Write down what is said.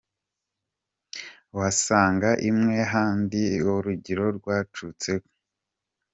Wasangaga iwe hahindutse uruganiriro rwacu twese.